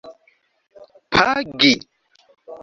pagi